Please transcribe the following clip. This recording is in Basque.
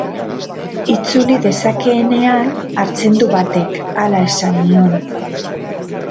Itzuli dezakeenean hartzen du batek, hala esan nion.